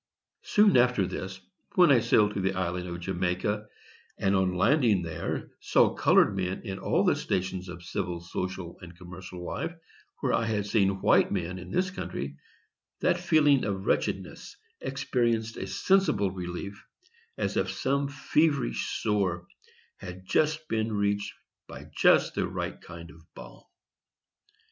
Soon after this, when I sailed to the island of Jamaica, and on landing there saw colored men in all the stations of civil, social, commercial life, where I had seen white men in this country, that feeling of wretchedness experienced a sensible relief, as if some feverish sore had been just reached by just the right kind of balm.